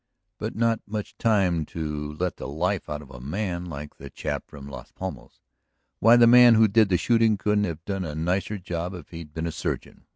"But not much time to let the life out of a man like the chap from Las Palmas! Why, the man who did the shooting couldn't have done a nicer job if he'd been a surgeon.